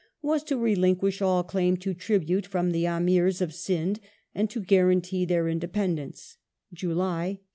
269 was to relinquish all claim to tribute from the Amirs of Sind and to guarantee their independence (July, 1838).